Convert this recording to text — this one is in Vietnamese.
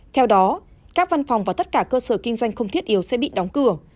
theo đó các văn phòng và tất cả cơ sở kinh doanh không thiết yếu sẽ bị đóng cửa